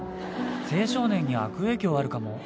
青少年に悪影響あるかも。